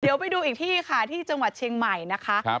เดี๋ยวไปดูอีกที่ค่ะที่จังหวัดเชียงใหม่นะคะ